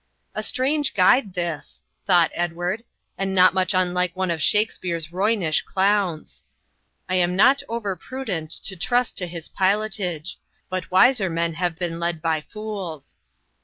A strange guide this, thought Edward, and not much unlike one of Shakespeare's roynish clowns. I am not over prudent to trust to his pilotage; but wiser men have been led by fools.